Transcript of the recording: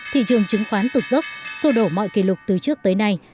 thị trường chứng khoán tục dốc xô đổ mọi kỷ lục từ trước tới nay